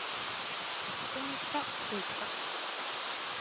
こんにちはと言った